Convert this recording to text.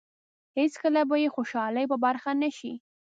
هېڅکله به یې خوشالۍ په برخه نه شي.